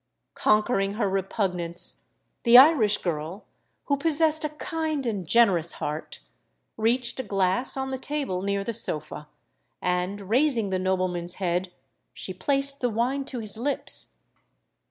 Conquering her repugnance, the Irish girl, who possessed a kind and generous heart, reached a glass on the table near the sofa; and, raising the nobleman's head, she placed the wine to his lips.